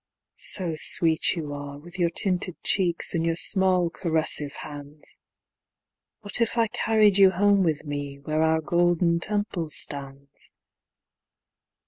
So sweet you are, with your tinted cheeks and your small caressive hands, What if I carried you home with me, where our Golden Temple stands?